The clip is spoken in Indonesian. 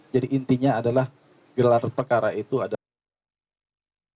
jadi intinya adalah gelar perkara itu adalah